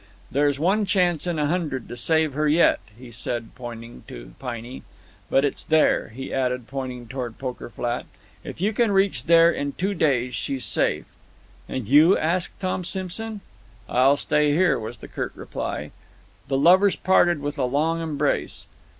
"There's one chance in a hundred to save her yet," he said, pointing to Piney; "but it's there," he added, pointing toward Poker Flat. "If you can reach there in two days she's safe." "And you?" asked Tom Simson. "I'll stay here," was the curt reply. The lovers parted with a long embrace.